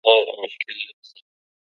زما سترګې له نظارې څخه ستړې سوې دي.